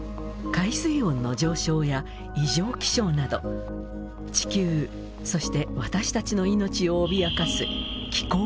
海水温の上昇や異常気象など地球そして私たちの命を脅かす気候変動。